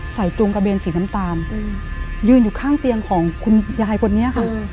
ใส่จูงกระเบนสีน้ำตาลยืนอยู่ข้างเตียงของคุณยายตรงนี้